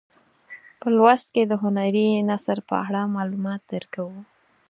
په لوست کې د هنري نثر په اړه معلومات درکوو.